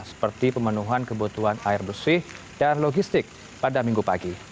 seperti pemenuhan kebutuhan air bersih dan logistik pada minggu pagi